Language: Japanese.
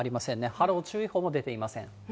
波浪注意報も出ていません。